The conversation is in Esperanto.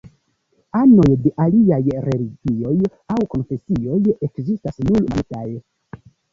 Anoj de aliaj religioj aŭ konfesioj ekzistas nur malmultaj.